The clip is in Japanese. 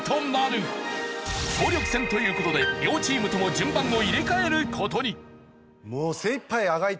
総力戦という事で両チームとも順番を入れ替える事に。